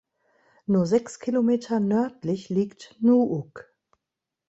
Nur sechs Kilometer nördlich liegt Nuuk.